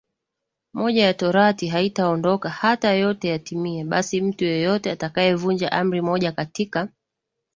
moja ya torati haitaoondoka hata yote yatimie Basi mtu yeyote atakayevunja amri moja katika